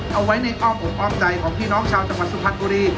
เอาไว้ในอ้อมอกอ้อมใจของพี่น้องชาวจังหวัดสุพรรณบุรี